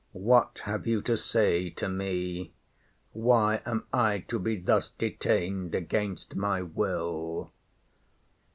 What have you to say to me? Why am I to be thus detained against my will?